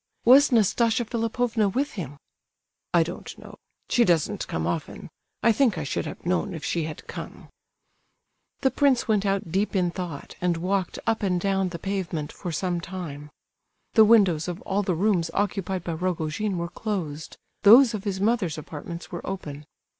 "Was Nastasia Philipovna with him?" "I don't know; she doesn't come often. I think I should have known if she had come." The prince went out deep in thought, and walked up and down the pavement for some time. The windows of all the rooms occupied by Rogojin were closed, those of his mother's apartments were open.